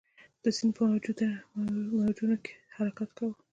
د سیند په موجونو کې حرکت کاوه.